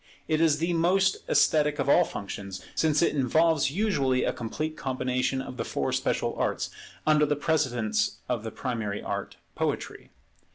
It is the most esthetic of all functions, since it involves usually a complete combination of the four special arts, under the presidence of the primary art, Poetry.